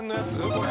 これ。